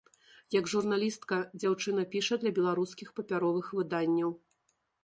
Як журналістка дзяўчына піша для беларускіх папяровых выданняў.